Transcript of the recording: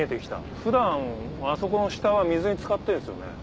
普段あそこの下は水に浸かってるんですよね？